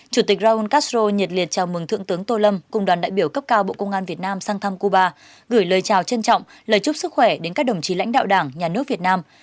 chủ tịch raul castro nhiệt liệt chào mừng thượng tướng tô lâm cùng đoàn đại biểu cấp cao bộ công an việt nam sang thăm cuba gửi lời chào trân trọng lời chúc sức khỏe đến các đồng chí lãnh đạo đảng nhà nước việt nam